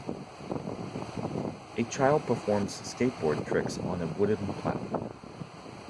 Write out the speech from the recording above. A child performs skateboard tricks on a wooden platform.